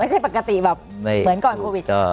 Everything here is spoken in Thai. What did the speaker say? ไม่ใช่ปกติแบบเหมือนก่อนโควิด